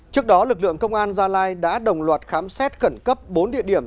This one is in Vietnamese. trước đó lực lượng công an gia lai đã đồng loạt khám xét khẩn cấp bốn địa điểm